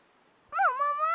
ももも！？